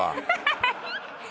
ハハハ！